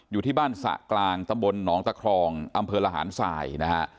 อยู่ที่บ้านสระกลางตำบลหนองตะครองอำเภอระหารสายนะฮะ